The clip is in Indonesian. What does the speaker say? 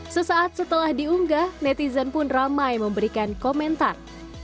sesaat setelah diunggah netizen pun ramai memberikan komentar